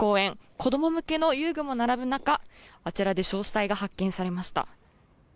子ども向けの遊具も並ぶ中あちらで焼死体が発見されました。